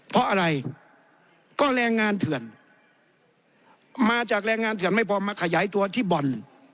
เพราะอะไรก็แรงงานเถื่อนมาจากแรงงานเถื่อนไม่พอมาขยายตัวที่บ่อน